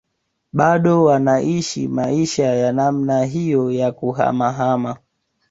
Bado wanaishi maisha ya namna hiyo ya kuhamahama